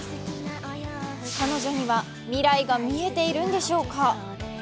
彼女には未来が見えているんでしょうか。